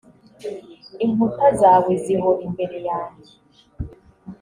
inkuta zawe zihora imbere yanjye